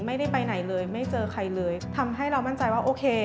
ไม่ได้ไปไหนเลยไม่เจอใครเลยทำให้เรามั่นใจว่าโอเค